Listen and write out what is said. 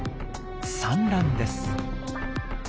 産卵です。